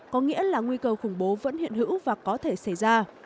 có nghĩa là nguy cơ khủng bố vẫn hiện hữu và có thể xảy ra